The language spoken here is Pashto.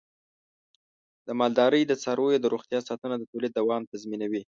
د مالدارۍ د څارویو د روغتیا ساتنه د تولید دوام تضمینوي.